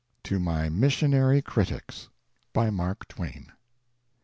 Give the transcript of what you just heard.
TO MY MISSIONARY CRITICS. BY MARK TWAIN".